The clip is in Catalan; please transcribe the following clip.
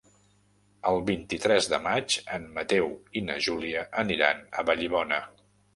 El vint-i-tres de maig en Mateu i na Júlia aniran a Vallibona.